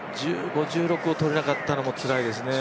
１５、１６を取れなかったのもつらいですね。